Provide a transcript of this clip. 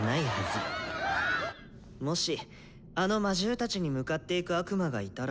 もしあの魔獣たちに向かっていく悪魔がいたら。